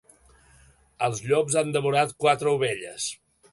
Els llops han devorat quatre ovelles.